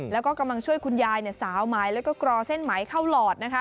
แล้วก็กำลังช่วยคุณยายสาวไหมแล้วก็กรอเส้นไหมเข้าหลอดนะคะ